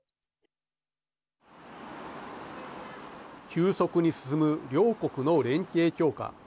急速に進む両国の連携強化。